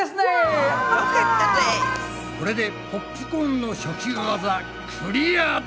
これでポップコーンの初級ワザクリアだ！